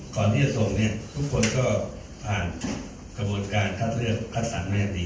ก่อนที่จะส่งเนี่ยทุกคนก็ผ่านกระบวนการคัดเลือกคัดสรรแม่ดี